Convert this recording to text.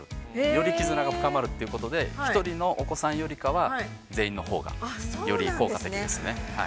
よりきずなが深まるということで１人のお子さんよりかは全員のほうが、より効果的ですね。